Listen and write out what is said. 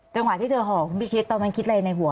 จังหวะที่เจอห่อคุณพิชิตตอนนั้นคิดอะไรในหัว